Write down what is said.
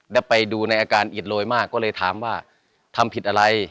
ได้ไปดูในอาการอิดโรยมากก็เลยถามว่าทำผิดอะไร